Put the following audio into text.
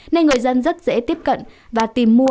nên người dân rất dễ tiếp cận và tìm mua